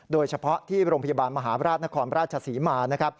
โดยเฉพาะที่โรงพยาบาลมหาราชนครราชศรีมา